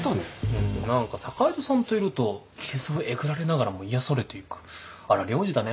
うん何か坂井戸さんといると傷をえぐられながらも癒やされていく荒療治だね。